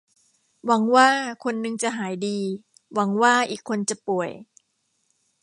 หวังว่าคนนึงจะหายดี หวังว่าอีกคนจะป่วย